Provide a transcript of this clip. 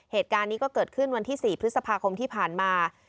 เหตุการณ์นี้ก็เกิดขึ้นวันที่๔พฤษภาคมที่ผ่านมา